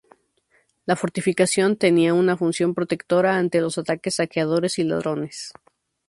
La fortificación tenía una función protectora ante los ataques saqueadores y ladrones.